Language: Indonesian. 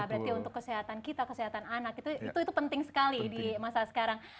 berarti untuk kesehatan kita kesehatan anak itu penting sekali di masa sekarang